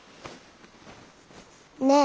ねえ。